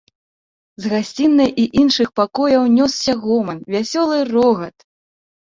З гасцінай і іншых пакояў нёсся гоман, вясёлы рогат.